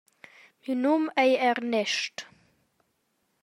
Miu num ei Ernest.